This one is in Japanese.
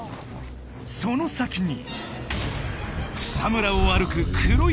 その先に草むらを歩く黒い